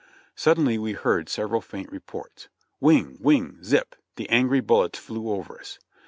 Suddenly we heard several faint reports ; whing! wiling! zip! the angry bullets flew over us.